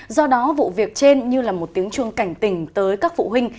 do đó vụ việc trên như là một tiếng chuông cảnh tình tới các phụ huynh